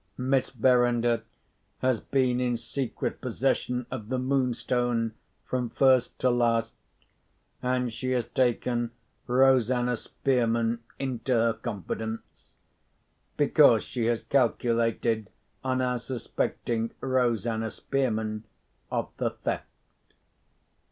Miss Verinder has been in secret possession of the Moonstone from first to last; and she has taken Rosanna Spearman into her confidence, because she has calculated on our suspecting Rosanna Spearman of the theft.